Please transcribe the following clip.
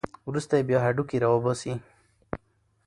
وروسته یې بیا هډوکي راوباسي.